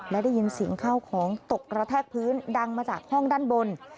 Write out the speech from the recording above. และได้ยินเสียงข้าวของตกกระแทกพื้นดังมาจากห้องด้านบน